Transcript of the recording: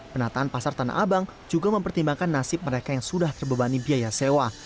penataan pasar tanah abang juga mempertimbangkan nasib mereka yang sudah terbebani biaya sewa